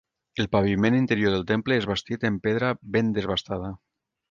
El paviment interior del temple és bastit en pedra ben desbastada.